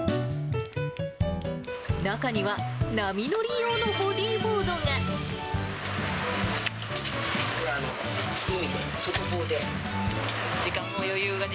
中には、波乗り用のボディボードが。